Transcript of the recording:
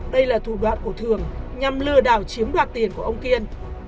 đây là thủ đoạn của thường nhằm lừa đảo chiếm đoạt tiền của ông kiên